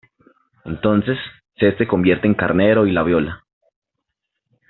Entonces, Set se convierte en carnero y la viola.